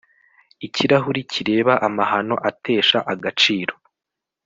Ikirahure kireba amahano atesha agaciro